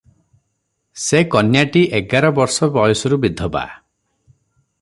ସେ କନ୍ୟାଟି ଏଗାର ବର୍ଷ ବୟସରୁ ବିଧବା ।